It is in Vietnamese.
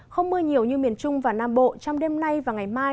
không mưa nhiều như miền trung và nam bộ trong đêm nay và ngày mai